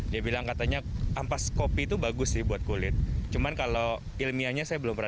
dia bilang katanya ampas kopi itu bagus sih buat kulit cuman kalau ilmiahnya saya belum pernah